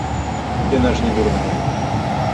Яна ж не дурная.